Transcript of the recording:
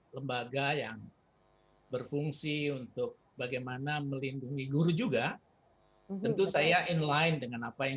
lembaga yang berfungsi untuk bagaimana melindungi guru juga tentu saya in line dengan apa yang